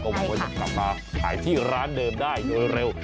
ก็หวังว่าอยากกลับมาหายที่ร้านเดิมได้เร็ว